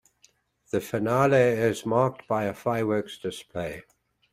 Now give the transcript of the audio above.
The finale is marked by a fireworks display.